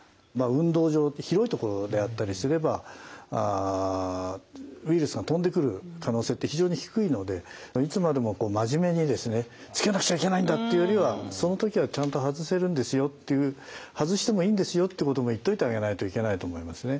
運動場広いところであったりすればウイルスが飛んでくる可能性って非常に低いのでいつまでも真面目にですねつけなくちゃいけないんだっていうよりはその時はちゃんと外せるんですよっていう外してもいいんですよってことも言っといてあげないといけないと思いますね。